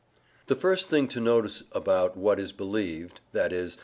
The first thing to notice about what is believed, i.e.